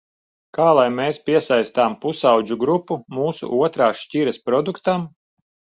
Kā lai mēs piesaistām pusaudžu grupu mūsu otrās šķiras produktam?